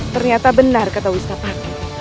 ternyata benar kata wistapati